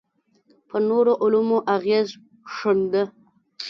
پر نورو علومو اغېز ښنده.